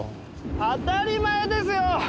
当たり前ですよ！